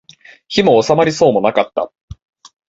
火も納まりそうもなかった